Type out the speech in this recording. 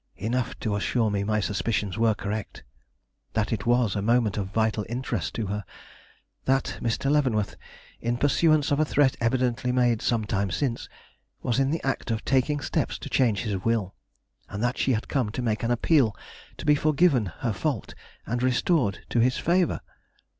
Enough to assure me my suspicions were correct; that it was a moment of vital interest to her; that Mr. Leavenworth, in pursuance of a threat evidently made some time since, was in the act of taking steps to change his will, and that she had come to make an appeal to be forgiven her fault and restored to his favor.